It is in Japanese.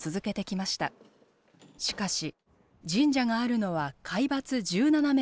しかし神社があるのは海抜１７ｍ。